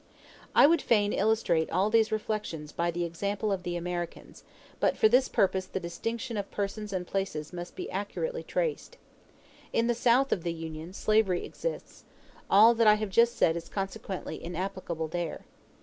I would fain illustrate all these reflections by the example of the Americans; but for this purpose the distinctions of persons and places must be accurately traced. In the South of the Union, slavery exists; all that I have just said is consequently inapplicable there.